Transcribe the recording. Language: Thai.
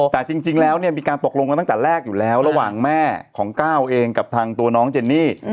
แต่จริงแล้วเนี่ยมีการตกลงกันตั้งแต่แรกอยู่แล้วระหว่างแม่ของก้าวเองกับทางตัวน้องเจนนี่